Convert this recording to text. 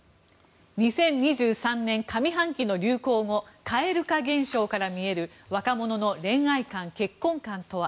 ２０２３年上半期の流行語蛙化現象から見える若者の恋愛観、結婚観とは。